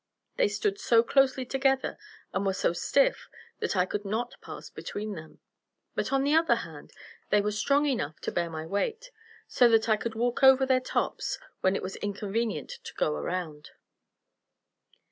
They stood so closely together, and were so stiff, that I could not pass between them; but, on the other hand, they were strong enough to bear my weight, so that I could walk over their tops when it was inconvenient to go around.